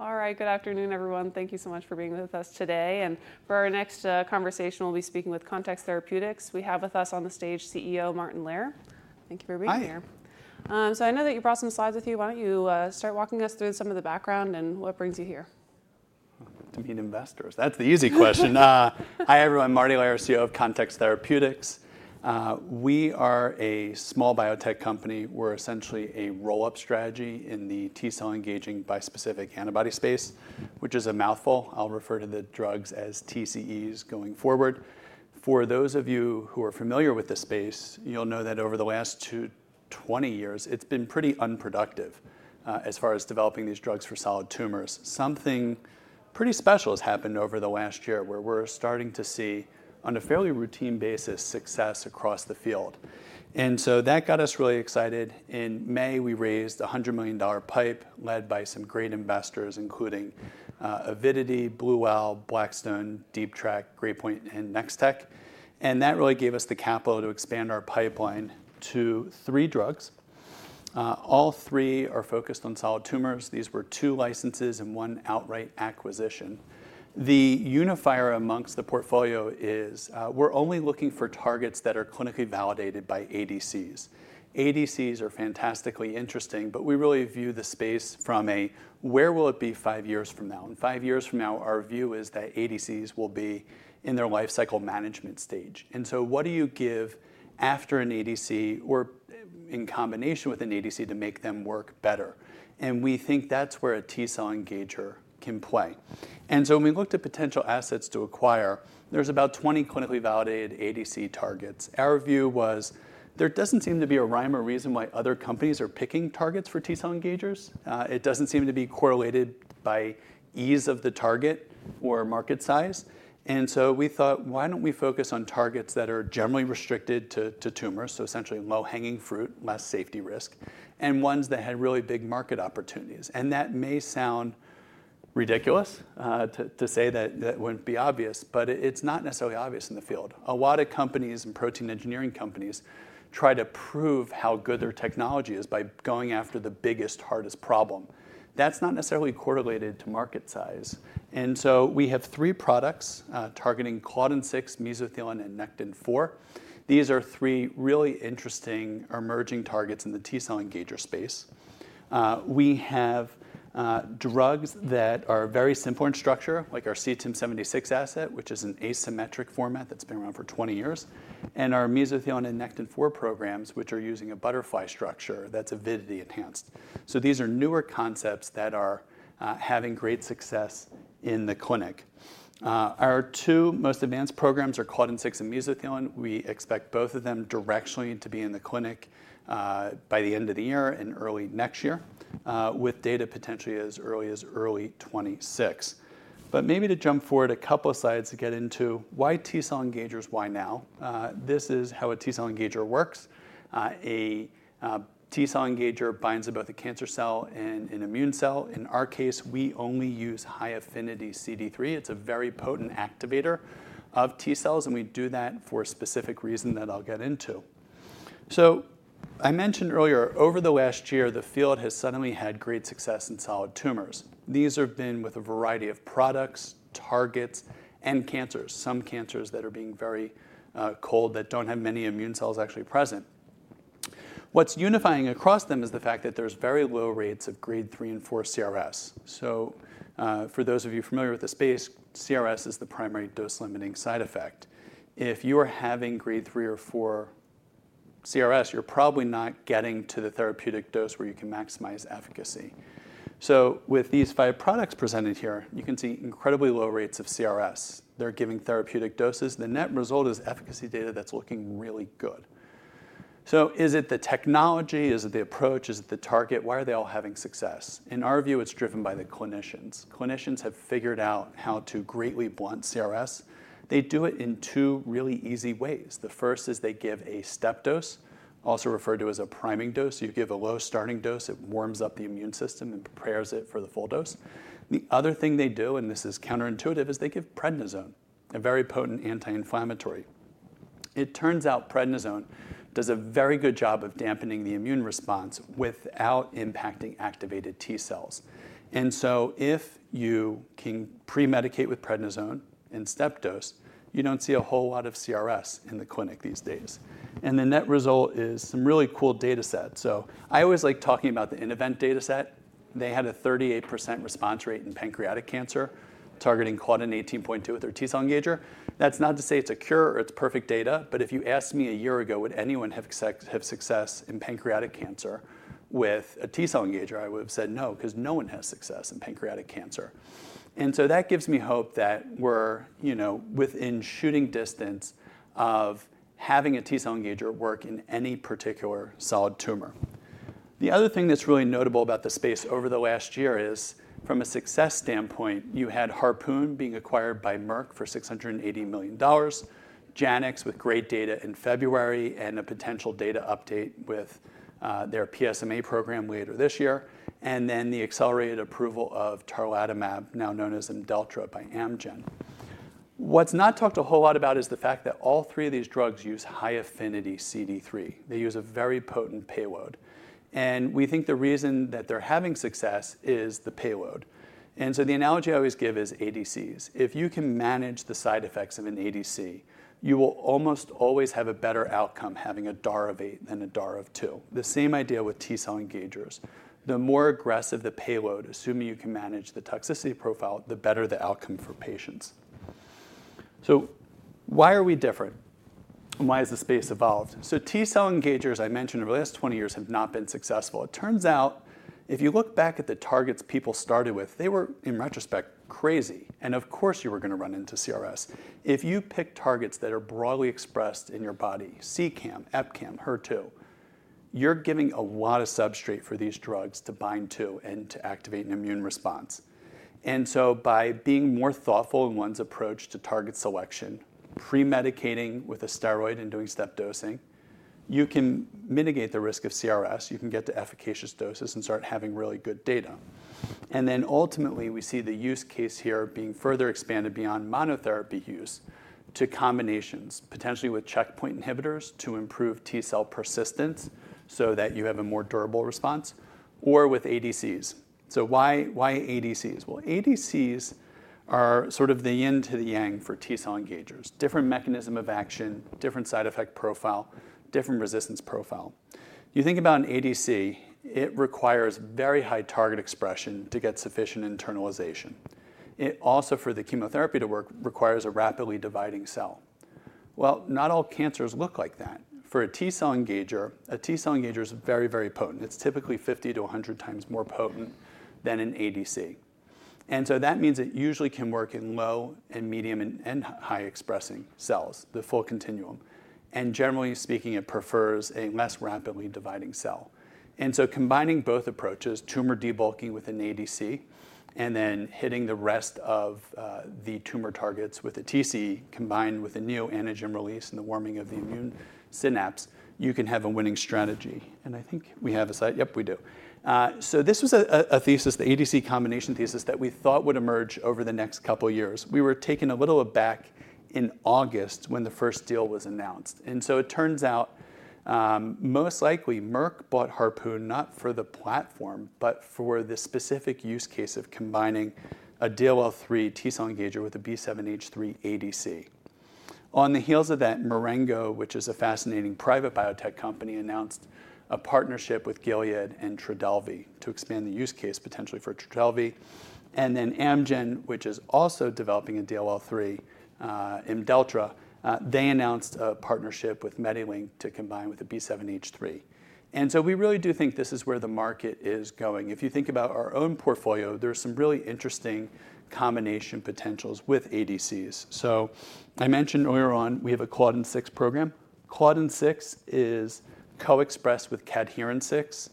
All right, good afternoon, everyone. Thank you so much for being with us today. For our next conversation, we'll be speaking with Context Therapeutics. We have with us on the stage CEO Martin Lehr. Thank you for being here. Hi. I know that you brought some slides with you. Why don't you start walking us through some of the background and what brings you here? To meet investors. That's the easy question. Hi, everyone. Martin Lehr, CEO of Context Therapeutics. We are a small biotech company. We're essentially a roll-up strategy in the T-cell engaging bispecific antibody space, which is a mouthful. I'll refer to the drugs as TCEs going forward. For those of you who are familiar with the space, you'll know that over the last 20 years, it's been pretty unproductive as far as developing these drugs for solid tumors. Something pretty special has happened over the last year where we're starting to see, on a fairly routine basis, success across the field, and so that got us really excited. In May, we raised a $100 million pipe led by some great investors, including Avidity, Blue Owl, Blackstone, Deep Track, Great Point, and Nextech, and that really gave us the capital to expand our pipeline to three drugs. All three are focused on solid tumors. These were two licenses and one outright acquisition. The unifier amongst the portfolio is we're only looking for targets that are clinically validated by ADCs. ADCs are fantastically interesting, but we really view the space from a, where will it be five years from now? And five years from now, our view is that ADCs will be in their life cycle management stage. And so what do you give after an ADC or in combination with an ADC to make them work better? And we think that's where a T-cell engager can play. And so when we looked at potential assets to acquire, there's about 20 clinically validated ADC targets. Our view was there doesn't seem to be a rhyme or reason why other companies are picking targets for T-cell engagers. It doesn't seem to be correlated by ease of the target or market size. We thought, why don't we focus on targets that are generally restricted to tumors, so essentially low-hanging fruit, less safety risk, and ones that had really big market opportunities? That may sound ridiculous to say that that wouldn't be obvious, but it's not necessarily obvious in the field. A lot of companies and protein engineering companies try to prove how good their technology is by going after the biggest, hardest problem. That's not necessarily correlated to market size. We have three products targeting Claudin 6, mesothelin, and Nectin-4. These are three really interesting emerging targets in the T-cell engager space. We have drugs that are very simple in structure, like our CTIM-76 asset, which is an asymmetric format that's been around for 20 years, and our mesothelin and Nectin-4 programs, which are using a butterfly structure that's avidity-enhanced. These are newer concepts that are having great success in the clinic. Our two most advanced programs are Claudin 6 and mesothelin. We expect both of them directionally to be in the clinic by the end of the year and early next year, with data potentially as early as early 2026. Maybe to jump forward a couple of slides to get into why T-cell engagers, why now? This is how a T-cell engager works. A T-cell engager binds to both a cancer cell and an immune cell. In our case, we only use high affinity CD3. It's a very potent activator of T-cells, and we do that for a specific reason that I'll get into. I mentioned earlier, over the last year, the field has suddenly had great success in solid tumors. These have been with a variety of products, targets, and cancers, some cancers that are being very cold that don't have many immune cells actually present. What's unifying across them is the fact that there's very low rates of grade 3 and 4 CRS. So for those of you familiar with the space, CRS is the primary dose-limiting side effect. If you are having grade 3 or 4 CRS, you're probably not getting to the therapeutic dose where you can maximize efficacy. So with these five products presented here, you can see incredibly low rates of CRS. They're giving therapeutic doses. The net result is efficacy data that's looking really good. So is it the technology? Is it the approach? Is it the target? Why are they all having success? In our view, it's driven by the clinicians. Clinicians have figured out how to greatly blunt CRS. They do it in two really easy ways. The first is they give a step dose, also referred to as a priming dose. You give a low starting dose. It warms up the immune system and prepares it for the full dose. The other thing they do, and this is counterintuitive, is they give prednisone, a very potent anti-inflammatory. It turns out prednisone does a very good job of dampening the immune response without impacting activated T-cells. And so if you can premedicate with prednisone in step dose, you don't see a whole lot of CRS in the clinic these days. And the net result is some really cool data sets. So I always like talking about the Innovent data set. They had a 38% response rate in pancreatic cancer targeting CLDN18.2 with their T-cell engager. That's not to say it's a cure or it's perfect data, but if you asked me a year ago, would anyone have success in pancreatic cancer with a T-cell engager? I would have said no, because no one has success in pancreatic cancer. And so that gives me hope that we're within shooting distance of having a T-cell engager work in any particular solid tumor. The other thing that's really notable about the space over the last year is, from a success standpoint, you had Harpoon being acquired by Merck for $680 million, Janux with great data in February and a potential data update with their PSMA program later this year, and then the accelerated approval of tarlatamab, now known as Imdelltra by Amgen. What's not talked a whole lot about is the fact that all three of these drugs use high affinity CD3. They use a very potent payload. We think the reason that they're having success is the payload. The analogy I always give is ADCs. If you can manage the side effects of an ADC, you will almost always have a better outcome having a DAR of eight than a DAR of two. The same idea with T-cell engagers. The more aggressive the payload, assuming you can manage the toxicity profile, the better the outcome for patients. Why are we different? Why has the space evolved? T-cell engagers I mentioned over the last 20 years have not been successful. It turns out, if you look back at the targets people started with, they were, in retrospect, crazy. Of course, you were going to run into CRS. If you pick targets that are broadly expressed in your body, CEACAM, EpCAM, HER2, you're giving a lot of substrate for these drugs to bind to and to activate an immune response, and so by being more thoughtful in one's approach to target selection, premedicating with a steroid and doing step dosing, you can mitigate the risk of CRS. You can get to efficacious doses and start having really good data, and then ultimately, we see the use case here being further expanded beyond monotherapy use to combinations, potentially with checkpoint inhibitors to improve T-cell persistence so that you have a more durable response, or with ADCs, so why ADCs, well, ADCs are sort of the yin to the yang for T-cell engagers. Different mechanism of action, different side effect profile, different resistance profile. You think about an ADC, it requires very high target expression to get sufficient internalization. It also, for the chemotherapy to work, requires a rapidly dividing cell. Well, not all cancers look like that. For a T-cell engager, a T-cell engager is very, very potent. It's typically 50-100x more potent than an ADC. And so that means it usually can work in low and medium and high-expressing cells, the full continuum. And generally speaking, it prefers a less rapidly dividing cell. And so combining both approaches, tumor debulking with an ADC and then hitting the rest of the tumor targets with a TCE combined with a new antigen release and the warming of the immune synapse, you can have a winning strategy. And I think we have a slide. Yep, we do, so this was a thesis, the ADC combination thesis, that we thought would emerge over the next couple of years. We were taken a little bit aback in August when the first deal was announced. And so it turns out, most likely, Merck bought Harpoon not for the platform, but for the specific use case of combining a DLL3 T-cell engager with a B7-H3 ADC. On the heels of that, Marengo, which is a fascinating private biotech company, announced a partnership with Gilead and TRODELVY to expand the use case potentially for TRODELVY. And then Amgen, which is also developing a DLL3, Imdelltra, they announced a partnership with MediLink to combine with a B7-H3. And so we really do think this is where the market is going. If you think about our own portfolio, there are some really interesting combination potentials with ADCs. So I mentioned earlier on we have a Claudin 6 program. Claudin 6 is co-expressed with Cadherin-6.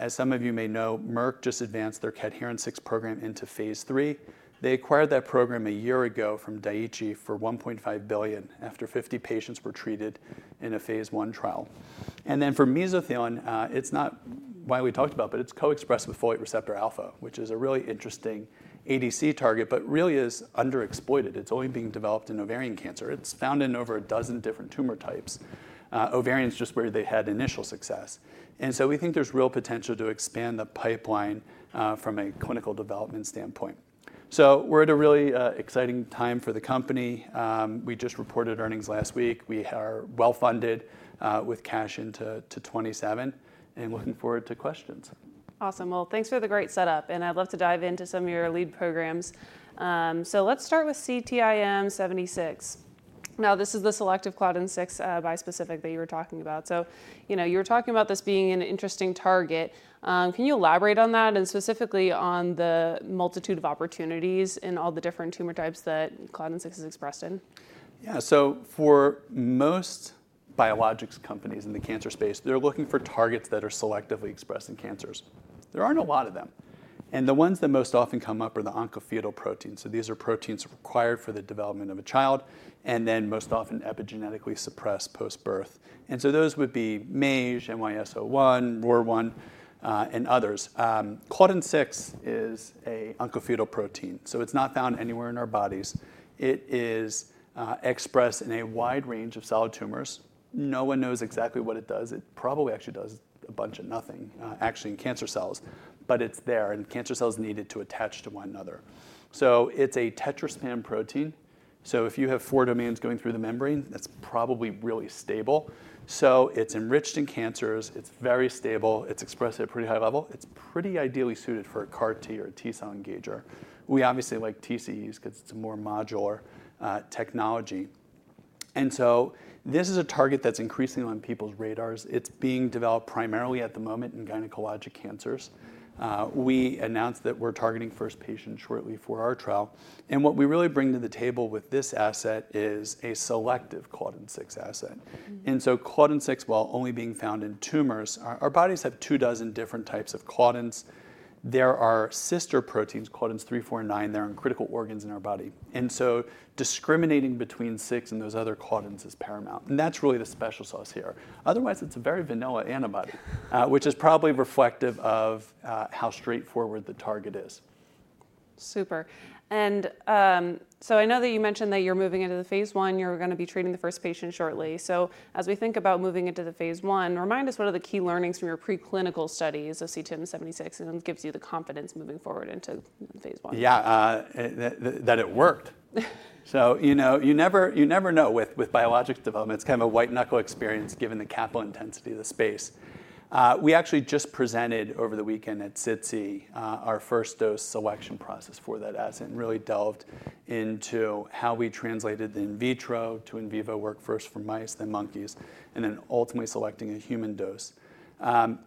As some of you may know, Merck just advanced their Cadherin-6 program into phase III. They acquired that program a year ago from Daiichi for $1.5 billion after 50 patients were treated in a phase I trial, and then for mesothelin, it's not why we talked about, but it's co-expressed with folate receptor alpha, which is a really interesting ADC target, but really is underexploited. It's only being developed in ovarian cancer. It's found in over a dozen different tumor types. Ovarian is just where they had initial success, and so we think there's real potential to expand the pipeline from a clinical development standpoint, so we're at a really exciting time for the company. We just reported earnings last week. We are well funded with cash into 2027 and looking forward to questions. Awesome. Well, thanks for the great setup. And I'd love to dive into some of your lead programs. So let's start with CTIM-76. Now, this is the selective Claudin 6 bispecific that you were talking about. So you were talking about this being an interesting target. Can you elaborate on that and specifically on the multitude of opportunities in all the different tumor types that Claudin 6 is expressed in? Yeah, so for most biologics companies in the cancer space, they're looking for targets that are selectively expressed in cancers. There aren't a lot of them, and the ones that most often come up are the oncofetal proteins. These are proteins required for the development of a child and then most often epigenetically suppressed post-birth, and so those would be MAGE, NY-ESO-1, ROR1, and others. Claudin 6 is an oncofetal protein, so it's not found anywhere in our bodies. It is expressed in a wide range of solid tumors. No one knows exactly what it does. It probably actually does a bunch of nothing, actually, in cancer cells, but it's there, and cancer cells need it to attach to one another, so it's a [tetraspanin] protein. If you have four domains going through the membrane, that's probably really stable, so it's enriched in cancers. It's very stable. It's expressed at a pretty high level. It's pretty ideally suited for a CAR-T or a T-cell engager. We obviously like TCEs because it's a more modular technology, and so this is a target that's increasingly on people's radars. It's being developed primarily at the moment in gynecologic cancers. We announced that we're targeting first patients shortly for our trial, and what we really bring to the table with this asset is a selective CLOT6 asset, and so CLOT6, while only being found in tumors, our bodies have two dozen different types of CLOT6. There are sister proteins, CLOT3, 4, and 9. They're in critical organs in our body, and so discriminating between six and those other CLOT6 is paramount, and that's really the special sauce here. Otherwise, it's a very vanilla antibody, which is probably reflective of how straightforward the target is. Super. And so I know that you mentioned that you're moving into the phase I. You're going to be treating the first patient shortly. So as we think about moving into the phase I, remind us what are the key learnings from your preclinical studies of CTIM-76 and gives you the confidence moving forward into phase I? Yeah, that it worked. So you never know with biologics development. It's kind of a white-knuckle experience given the capital intensity of the space. We actually just presented over the weekend at SITC our first dose selection process for that asset and really delved into how we translated the in vitro to in vivo work first for mice, then monkeys, and then ultimately selecting a human dose.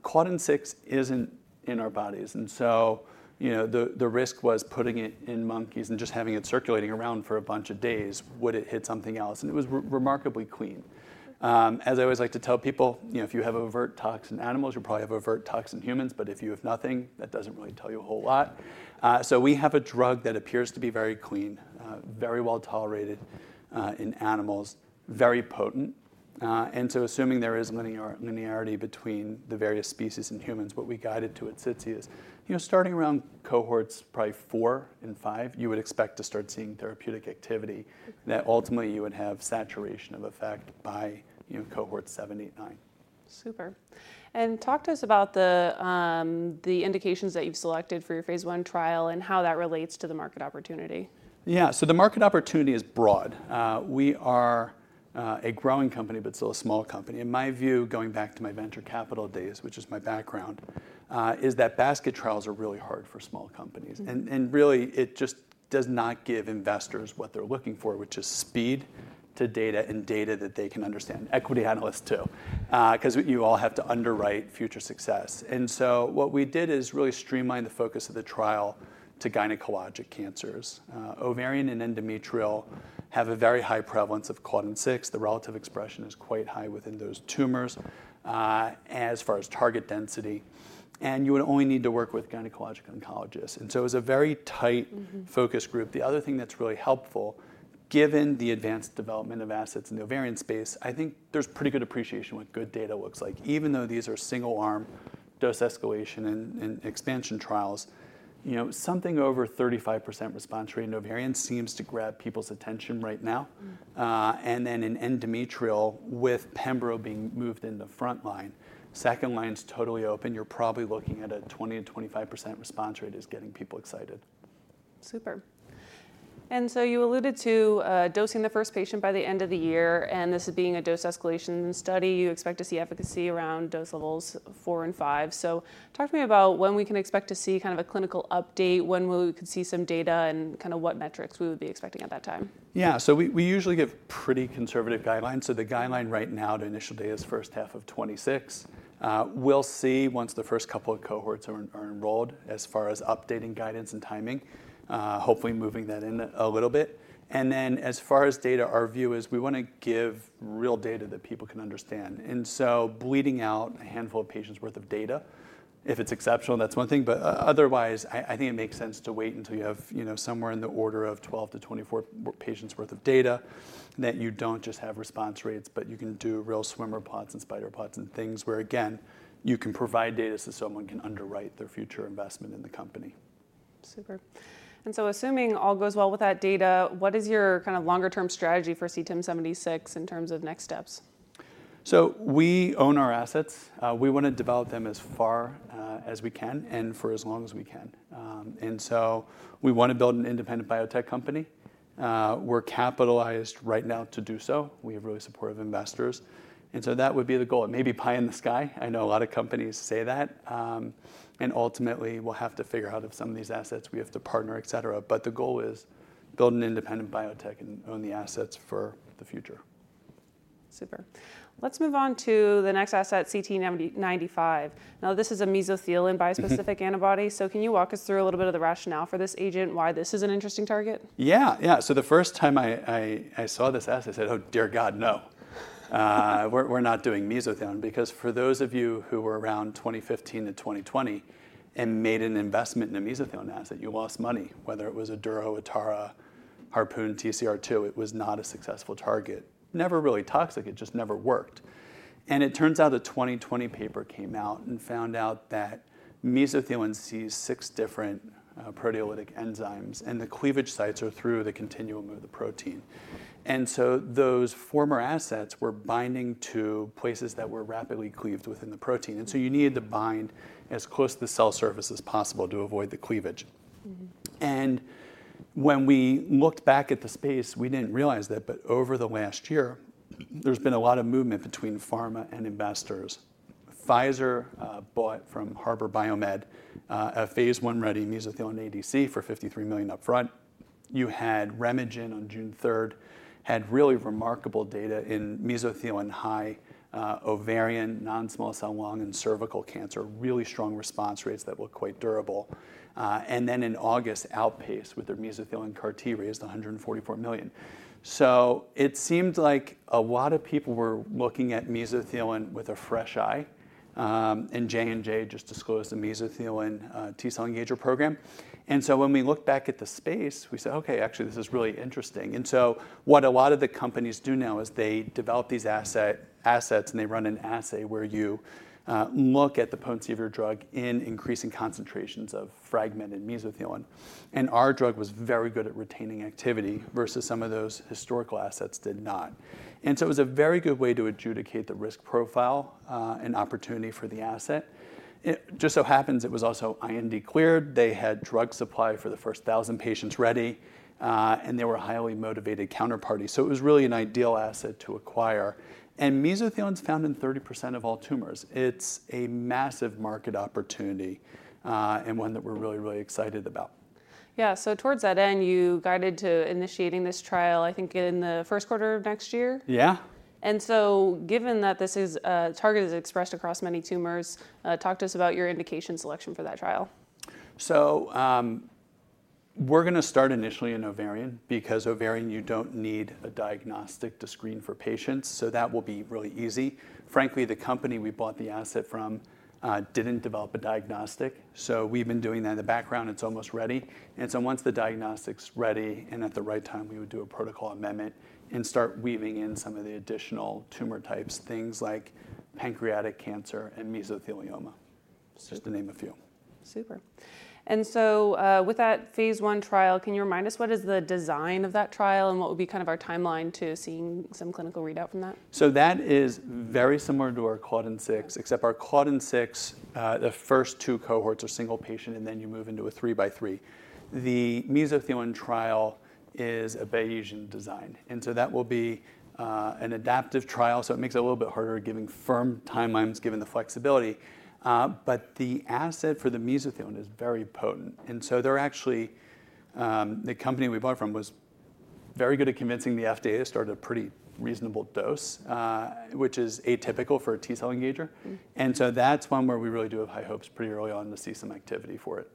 Claudin 6 isn't in our bodies. And so the risk was putting it in monkeys and just having it circulating around for a bunch of days would it hit something else. And it was remarkably clean. As I always like to tell people, if you have overt toxin animals, you'll probably have overt toxin humans. But if you have nothing, that doesn't really tell you a whole lot. So we have a drug that appears to be very clean, very well tolerated in animals, very potent, and so assuming there is linearity between the various species in humans, what we guided to at Context is starting around cohorts probably four and five, you would expect to start seeing therapeutic activity that ultimately you would have saturation of effect by cohort seven, eight, nine. Super. Talk to us about the indications that you've selected for your phase I trial and how that relates to the market opportunity? Yeah. So the market opportunity is broad. We are a growing company, but still a small company. In my view, going back to my venture capital days, which is my background, is that basket trials are really hard for small companies. And really, it just does not give investors what they're looking for, which is speed to data and data that they can understand. Equity analysts too, because you all have to underwrite future success. And so what we did is really streamline the focus of the trial to gynecologic cancers. Ovarian and endometrial have a very high prevalence of claudin 6. The relative expression is quite high within those tumors as far as target density. And you would only need to work with gynecologic oncologists. And so it was a very tight focus group. The other thing that's really helpful, given the advanced development of assets in the ovarian space, I think there's pretty good appreciation what good data looks like. Even though these are single-arm dose escalation and expansion trials, something over 35% response rate in ovarian seems to grab people's attention right now. And then in endometrial, with Pembro being moved into the front line, second line is totally open. You're probably looking at a 20%-25% response rate is getting people excited. Super. And so you alluded to dosing the first patient by the end of the year. And this is being a dose escalation study. You expect to see efficacy around dose levels four and five. So talk to me about when we can expect to see kind of a clinical update, when we could see some data, and kind of what metrics we would be expecting at that time? Yeah. So we usually give pretty conservative guidelines. So the guideline right now to initial data is first half of 2026. We'll see once the first couple of cohorts are enrolled as far as updating guidance and timing, hopefully moving that in a little bit. And then as far as data, our view is we want to give real data that people can understand. And so bleeding out a handful of patients' worth of data, if it's exceptional, that's one thing. But otherwise, I think it makes sense to wait until you have somewhere in the order of 12-24 patients' worth of data that you don't just have response rates, but you can do real swimmer pods and spider pods and things where, again, you can provide data so someone can underwrite their future investment in the company. Super. And so assuming all goes well with that data, what is your kind of longer-term strategy for CTIM-76 in terms of next steps? So we own our assets. We want to develop them as far as we can and for as long as we can. And so we want to build an independent biotech company. We're capitalized right now to do so. We have really supportive investors. And so that would be the goal. It may be pie in the sky. I know a lot of companies say that. And ultimately, we'll have to figure out if some of these assets we have to partner, etc. But the goal is build an independent biotech and own the assets for the future. Super. Let's move on to the next asset, CT-95. Now, this is a mesothelin bispecific antibody. So can you walk us through a little bit of the rationale for this agent, why this is an interesting target? Yeah, yeah. So the first time I saw this asset, I said, "Oh, dear God, no. We're not doing mesothelin." Because for those of you who were around 2015 to 2020 and made an investment in a mesothelin asset, you lost money. Whether it was Aduro, Atara, Harpoon, TCR2, it was not a successful target. Never really toxic. It just never worked. And it turns out a 2020 paper came out and found out that mesothelin sees six different proteolytic enzymes. And the cleavage sites are through the continuum of the protein. And so those former assets were binding to places that were rapidly cleaved within the protein. And so you needed to bind as close to the cell surface as possible to avoid the cleavage. And when we looked back at the space, we didn't realize that. Over the last year, there's been a lot of movement between pharma and investors. Pfizer bought from Harbor BioMed a phase I ready mesothelin ADC for $53 million upfront. You had RemeGen on June 3rd, had really remarkable data in mesothelin high ovarian, non-small cell lung, and cervical cancer, really strong response rates that were quite durable. Then in August, Outpace with their mesothelin CAR-T raised $144 million. So it seemed like a lot of people were looking at mesothelin with a fresh eye. And J&J just disclosed the mesothelin T-cell engager program. So when we looked back at the space, we said, "Okay, actually, this is really interesting." What a lot of the companies do now is they develop these assets and they run an assay where you look at the potency of your drug in increasing concentrations of fragmented mesothelin. And our drug was very good at retaining activity versus some of those historical assets did not. And so it was a very good way to adjudicate the risk profile and opportunity for the asset. It just so happens it was also IND cleared. They had drug supply for the first 1,000 patients ready. And they were a highly motivated counterparty. So it was really an ideal asset to acquire. And mesothelin is found in 30% of all tumors. It's a massive market opportunity and one that we're really, really excited about. Yeah. So towards that end, you guided to initiating this trial, I think, in the first quarter of next year. Yeah. And so given that this target is expressed across many tumors, talk to us about your indication selection for that trial? We’re going to start initially in ovarian because ovarian. You don’t need a diagnostic to screen for patients. That will be really easy. Frankly, the company we bought the asset from didn’t develop a diagnostic. We’ve been doing that in the background. It’s almost ready. Once the diagnostic’s ready and at the right time, we would do a protocol amendment and start weaving in some of the additional tumor types, things like pancreatic cancer and mesothelioma, just to name a few. Super. And so with that phase I trial, can you remind us what is the design of that trial and what would be kind of our timeline to seeing some clinical readout from that? So that is very similar to our CLOT6, except our CLOT6, the first two cohorts are single patient, and then you move into a three by three. The mesothelin trial is a Bayesian design. And so that will be an adaptive trial. So it makes it a little bit harder giving firm timelines, given the flexibility. But the asset for the mesothelin is very potent. And so they're actually the company we bought from was very good at convincing the FDA to start a pretty reasonable dose, which is atypical for a T-cell engager. And so that's one where we really do have high hopes pretty early on to see some activity for it.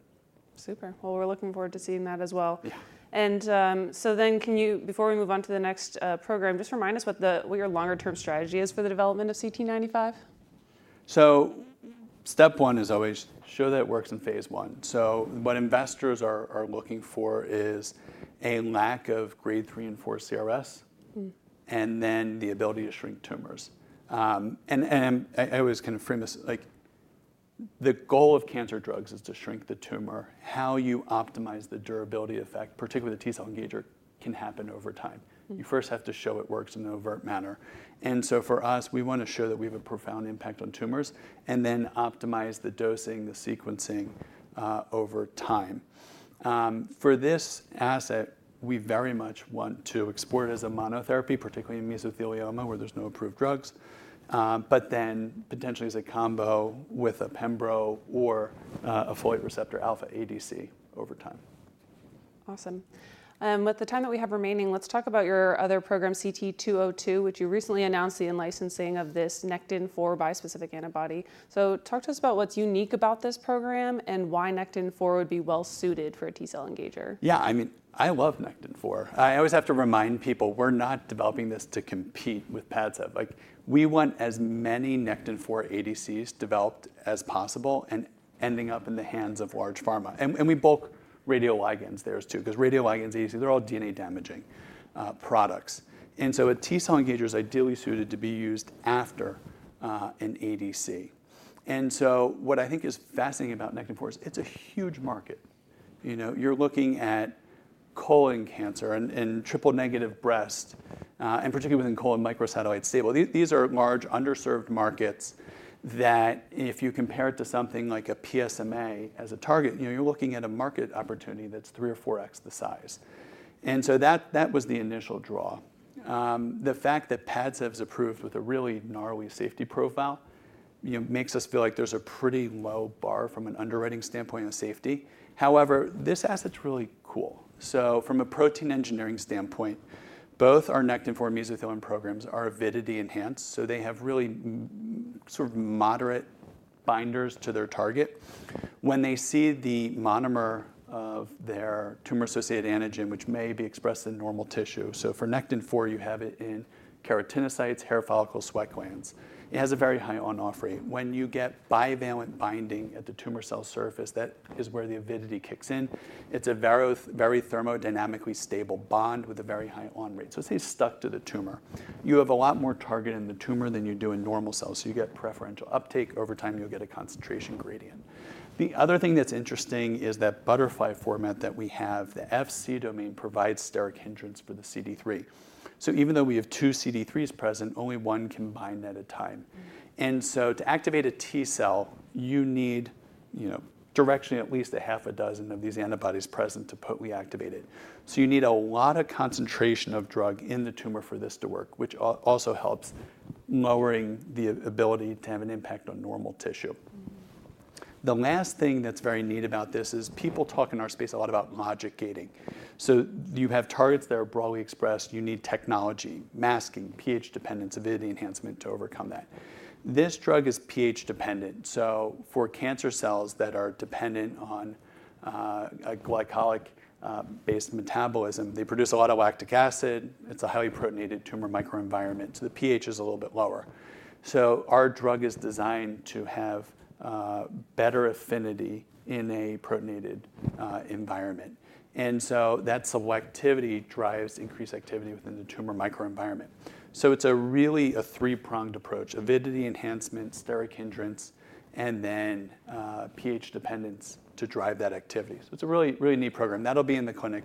Super. Well, we're looking forward to seeing that as well. Yeah. Can you, before we move on to the next program, just remind us what your longer-term strategy is for the development of CT-95? Step one is always show that it works in phase I. What investors are looking for is a lack of grade three and four CRS and then the ability to shrink tumors. I always kind of frame this like the goal of cancer drugs is to shrink the tumor. How you optimize the durability effect, particularly the T-cell engager, can happen over time. You first have to show it works in an overt manner. For us, we want to show that we have a profound impact on tumors and then optimize the dosing, the sequencing over time. For this asset, we very much want to explore it as a monotherapy, particularly in mesothelioma where there's no approved drugs, but then potentially as a combo with a Pembro or a folate receptor alpha ADC over time. Awesome. With the time that we have remaining, let's talk about your other program, CT-202, which you recently announced the licensing of this Nectin-4 bispecific antibody. Talk to us about what's unique about this program and why Nectin-4 would be well suited for a T-cell engager. Yeah. I mean, I love Nectin-4. I always have to remind people we're not developing this to compete with PADCEV. We want as many Nectin-4 ADCs developed as possible and ending up in the hands of large pharma. And we build radioligands. Theirs too because radioligands, ADCs, they're all DNA damaging products. And so a T-cell engager is ideally suited to be used after an ADC. And so what I think is fascinating about Nectin-4 is it's a huge market. You're looking at colon cancer and triple negative breast, and particularly within colon microsatellite stable. These are large underserved markets that if you compare it to something like a PSMA as a target, you're looking at a market opportunity that's three or four X the size. And so that was the initial draw. The fact that PADCEV is approved with a really gnarly safety profile makes us feel like there's a pretty low bar from an underwriting standpoint of safety. However, this asset's really cool. So from a protein engineering standpoint, both our Nectin-4 mesothelin programs are avidity enhanced. So they have really sort of moderate binders to their target. When they see the monomer of their tumor-associated antigen, which may be expressed in normal tissue, so for Nectin-4, you have it in keratinocytes, hair follicles, sweat glands. It has a very high on-off rate. When you get bivalent binding at the tumor cell surface, that is where the avidity kicks in. It's a very thermodynamically stable bond with a very high on-rate. So it stays stuck to the tumor. You have a lot more target in the tumor than you do in normal cells. So you get preferential uptake. Over time, you'll get a concentration gradient. The other thing that's interesting is that butterfly format that we have, the FC domain provides steric hindrance for the CD3. So even though we have two CD3s present, only one can bind at a time. And so to activate a T-cell, you need directionally at least a half a dozen of these antibodies present to potently activate it. So you need a lot of concentration of drug in the tumor for this to work, which also helps lowering the ability to have an impact on normal tissue. The last thing that's very neat about this is people talk in our space a lot about logic gating. So you have targets that are broadly expressed. You need technology, masking, pH dependence, avidity enhancement to overcome that. This drug is pH dependent. So for cancer cells that are dependent on a glycolytic-based metabolism, they produce a lot of lactic acid. It's a highly protonated tumor microenvironment. So the pH is a little bit lower. So our drug is designed to have better affinity in a protonated environment. And so that selectivity drives increased activity within the tumor microenvironment. So it's really a three-pronged approach: avidity enhancement, steric hindrance, and then pH dependence to drive that activity. So it's a really, really neat program. That'll be in the.